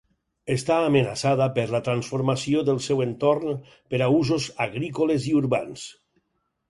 Està amenaçada per la transformació del seu entorn per a usos agrícoles i urbans.